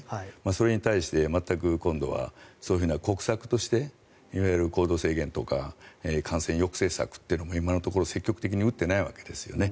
それに対して全く今度はそういうふうな国策としていわゆる行動制限とか感染抑制策というのも積極的には打ってないわけですよね。